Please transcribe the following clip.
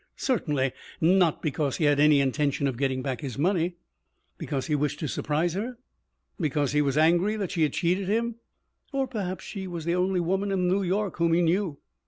Certainly not because he had any intention of getting back his money. Because he wished to surprise her? Because he was angry that she had cheated him? Or because she was the only woman in New York whom he knew?